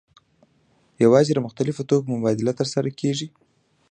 یوازې د مختلفو توکو مبادله ترسره کیږي.